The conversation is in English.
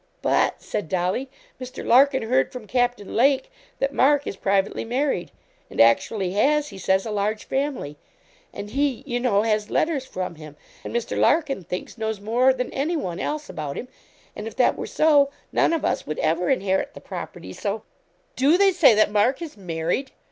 'But,' said Dolly, 'Mr. Larkin heard from Captain Lake that Mark is privately married, and actually has, he says, a large family; and he, you know, has letters from him, and Mr. Larkin thinks, knows more than anyone else about him; and if that were so, none of us would ever inherit the property. So' 'Do they say that Mark is married?